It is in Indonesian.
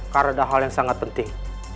karena ada hal yang sangat penting